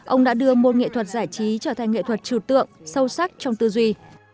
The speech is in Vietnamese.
ông đã đưa môn nghệ thuật giải trí trở thành nghệ thuật trừ tượng sâu sắc trong tư duy